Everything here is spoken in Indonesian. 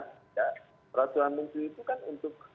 peraturan menteri itu kan untuk